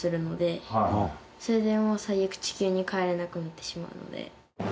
それでもう最悪地球に帰れなくなってしまうので。